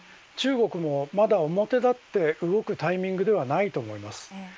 中国もまだ表だって動くタイミングではないと思います。